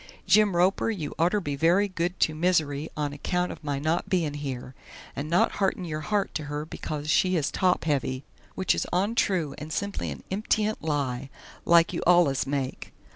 Jim Roper you orter be very good to Mizzery on a kount of my not bein' here, and not harten your hart to her bekos she is top heavy which is ontroo and simply an imptient lie like you allus make.